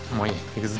行くぞ。